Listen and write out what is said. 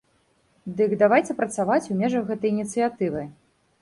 Дык давайце працаваць у межах гэтай ініцыятывы.